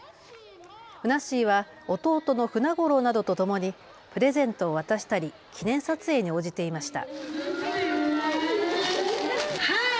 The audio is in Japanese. ふなっしーは弟のふなごろーなどとともにプレゼントを渡したり記念撮影に応じていました。